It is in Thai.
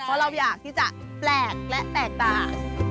เพราะเราอยากที่จะแปลกและแปลกตา